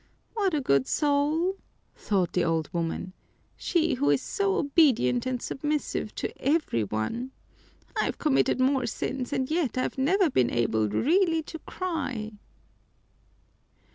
"What a good soul!" thought the old woman. "She who is so obedient and submissive to every one! I've committed more sins and yet I've never been able really to cry."